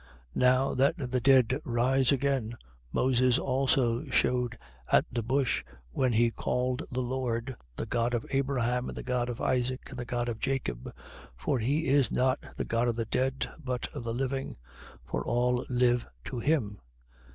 20:37. Now that the dead rise again, Moses also shewed at the bush, when he called the Lord: The God of Abraham and the God of Isaac and the God of Jacob. 20:38. For he is not the God of the dead, but of the living: for all live to him.